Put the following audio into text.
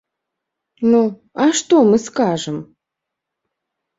Ну, а што мы скажам?